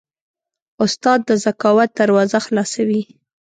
استاد د ذکاوت دروازه خلاصوي.